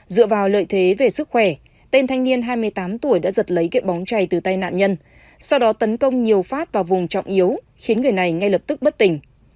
dựa vào lợi thế về sức khỏe tên thanh niên hai mươi tám tuổi đã giật lấy kiện bóng chảy từ tay nạn nhân sau đó tấn công nhiều phát vào vùng trọng yếu khiến người này ngay lập tức bất tỉnh